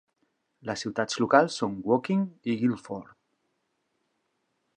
Les ciutats locals són Woking i Guildford.